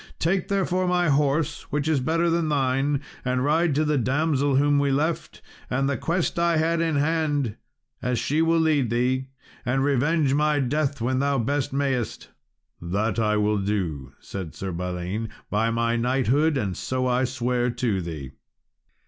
Take, therefore, my horse, which is better than thine, and ride to the damsel whom we left, and the quest I had in hand, as she will lead thee and revenge my death when thou best mayest." "That will I do," said Sir Balin, "by my knighthood, and so I swear to thee."